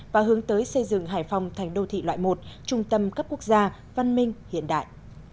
và hướng tới xây dựng hải phòng thành đô thị loại một trung tâm cấp quốc gia văn minh hiện đại